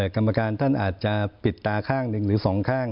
กรรมการท่านอาจจะปิดตาข้างหนึ่งหรือสองข้าง